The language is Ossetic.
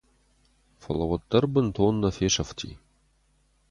Фӕлӕ уӕддӕр бынтон нӕ фесӕфти.